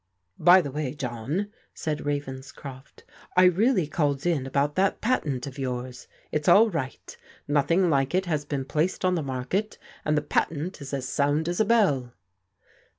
By the way, John,'* said Ravenscroft, "I really called in about that patent of yours. It's all right. Noth ing like it has been placed on the market, and the patent is as sound as a bell."